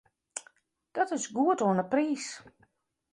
Dat is goed oan 'e priis.